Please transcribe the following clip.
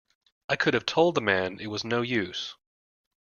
I could have told the man it was no use.